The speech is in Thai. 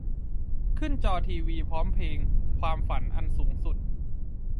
ขึ้นจอทีวีพร้อมเพลง "ความฝันอันสูงสุด"